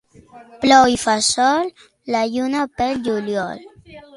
Plou i fa sol, la lluna pel juliol.